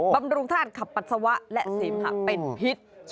บำรุงธาตุขับปัสสาวะและเสมหะเป็นพิษ